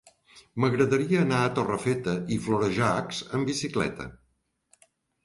M'agradaria anar a Torrefeta i Florejacs amb bicicleta.